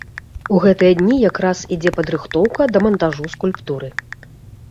У гэтыя дні якраз ідзе падрыхтоўка да мантажу скульптуры.